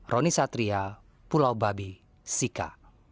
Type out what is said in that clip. roni satria pulau babi sika